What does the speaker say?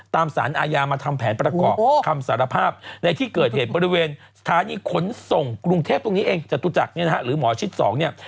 ตามสารอาญามาทำแผนประกอบคำสารภาพในที่เกิดเหตุบริเวณสถานีขนส่งกรุงเทพตรงนี้เองจตุจักรเนี่ยนะฮะหรือหมอชิด๒เนี่ย